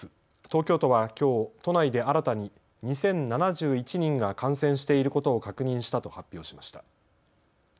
東京都はきょう都内で新たに２０７１人が感染していることを確認したと発表しました。